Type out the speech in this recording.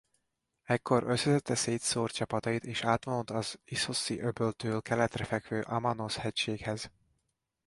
Ekkor összeszedte szétszórt csapatait és átvonult az Isszoszi-öböltől keletre fekvő Amanosz-hegységhez.